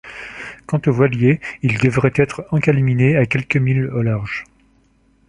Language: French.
Quant aux voiliers, ils devaient être encalminés à quelques milles au large.